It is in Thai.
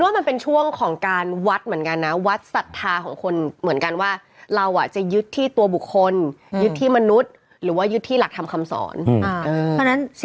มันเป็นช่วงของการวัดเหมือนกันนะวัดศรัทธาของคนเหมือนกันว่าเราจะยึดที่ตัวบุคคลยึดที่มนุษย์หรือว่ายึดที่หลักธรรมคำสอน